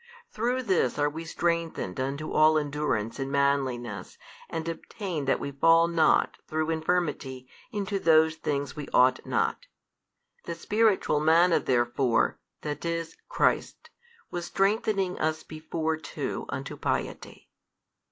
Through this are we strengthened unto all endurance and manliness and obtain that we fall not through infirmity into those things we ought not. The Spiritual Manna therefore, that is, Christ, was strengthening us before too unto piety.